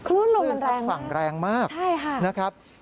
คุณดูสิคลื่นสักฝั่งแรงมากนะครับคุณลงมันแรงมากใช่ค่ะ